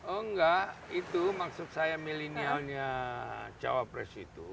oh enggak itu maksud saya milenialnya cawapres itu